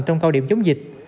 trong cao điểm chống dịch